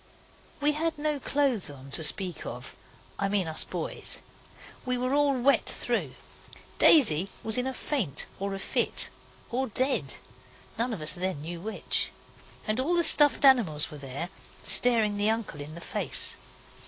We had no clothes on to speak of I mean us boys. We were all wet through. Daisy was in a faint or a fit, or dead, none of us then knew which. And all the stuffed animals were there staring the uncle in the face.